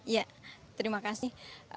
ya terima kasih